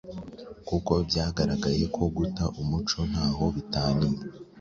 kuko byagaragaye ko guta umuco ntaho bitaniye